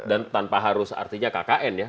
dan tanpa harus artinya kkn ya